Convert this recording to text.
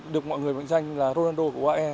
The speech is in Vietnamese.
được mọi người mệnh danh là ronaldo của uae